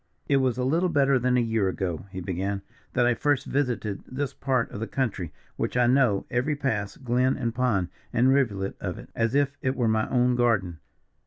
"It was a little better than a year ago," he began, "that I first visited this part of the country, which I know every pass, glen, and pond, and rivulet of it as if it were my own garden.